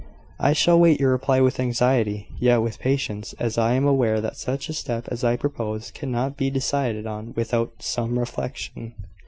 "I shall await your reply with anxiety yet with patience, as I am aware that such a step as I propose cannot be decided on without some reflection.